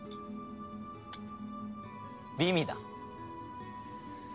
美味だ。